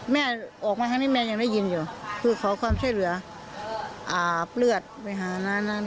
แม่ออกมาครั้งนี้แม่ยังได้ยินอยู่คือขอความช่วยเหลืออาบเลือดไปหาน้านั้น